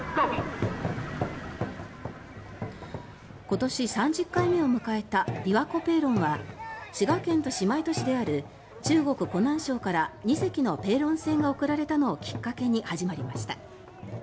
今年３０回目を迎えたびわこペーロンは滋賀県と姉妹都市である中国・湖南省から２隻のペーロン船が贈られたのをきっかけに始まりました。